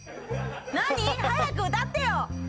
早く歌ってよ！